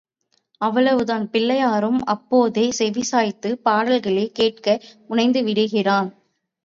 அவ்வளவுதான் பிள்ளையாரும் அப்போதே செவிசாய்த்துப் பாடல்களை கேட்க முனைந்து விடுகிறான்.